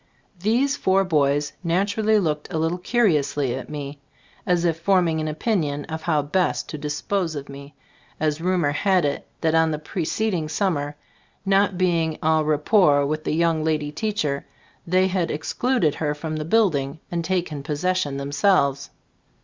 These four boys naturally looked a little curiously at me, as if forming an opinion of how best to dispose of me, as rumor had it that on the pre ceding summer, not being en rapport with the young lady teacher, they had excluded her from the building and taken possession themselves.